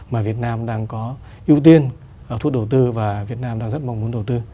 mà việt nam đang có ưu tiên thu hút đầu tư và việt nam đang rất mong muốn đầu tư